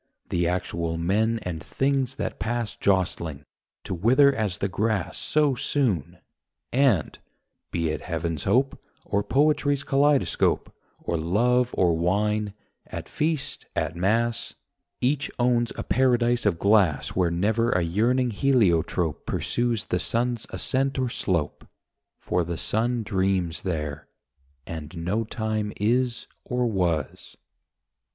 The actual men and things that pass Jostling, to wither as the grass So soon: and (be it heaven's hope, Or poetry's kaleidoscope, Or love or wine, at feast, at mass) Each owns a paradise of glass Where never a yearning heliotrope Pursues the sun's ascent or slope; For the sun dreams there, and no time is or was.